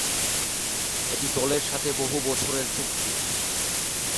এটি দলের সাথে বহু বছরের চুক্তি।